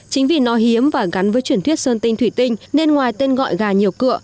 chính vì nó hiếm và gắn với chuyển thuyết sơn tinh thủy tinh nên ngoài tên gọi gà nhiều cựa